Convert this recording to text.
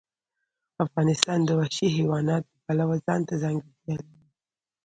افغانستان د وحشي حیوانات د پلوه ځانته ځانګړتیا لري.